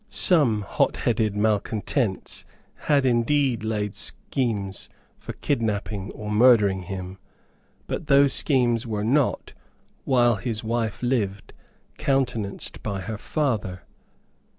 Some hotheaded malecontents had indeed laid schemes for kidnapping or murdering him; but those schemes were not, while his wife lived, countenanced by her father.